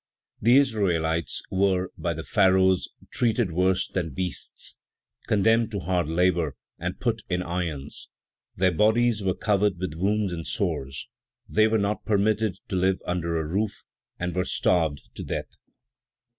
The Israelites were, by the Pharaohs, treated worse than beasts, condemned to hard labor and put in irons; their bodies were covered with wounds and sores; they were not permitted to live under a roof, and were starved to death; 4.